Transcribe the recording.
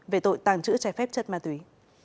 về tội tàng trữ trái phép chất ma túy